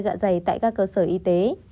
dạ dày tại các cơ sở y tế